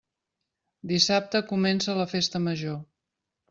Dissabte comença la Festa Major.